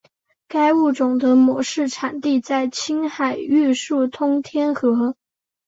该物种的模式产地在青海玉树通天河。